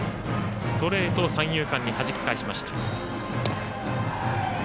ストレートを三遊間にはじき返しました。